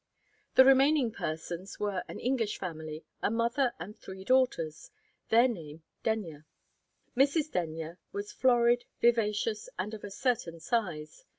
The remaining persons were an English family, a mother and three daughters, their name Denyer. Mrs. Denyer was florid, vivacious, and of a certain size.